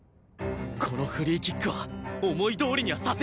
このフリーキックは思いどおりにはさせない！